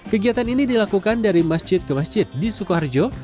kegiatan ini dilakukan dari masjid ke masjid di sukoharjo